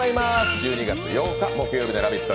１２月８日、木曜日の「ラヴィット！」